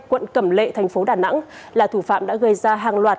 quận cẩm lệ thành phố đà nẵng là thủ phạm đã gây ra hàng loạt